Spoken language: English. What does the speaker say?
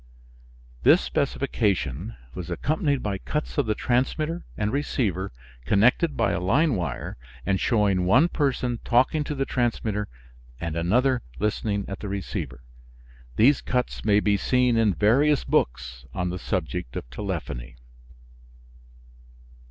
This specification was accompanied by cuts of the transmitter and receiver connected by a line wire and showing one person talking to the transmitter and another listening at the receiver. These cuts may be seen in various books on the subject of telephony.